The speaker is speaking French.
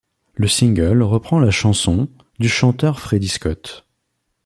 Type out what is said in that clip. Le single reprend la chanson ' du chanteur Freddie Scott.